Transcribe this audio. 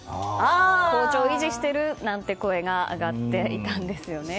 好調を維持しているという声が上がっていたんですよね。